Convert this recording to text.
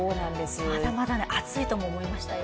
まだまだ暑いと思いましたよ。